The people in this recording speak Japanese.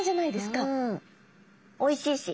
おいしいし。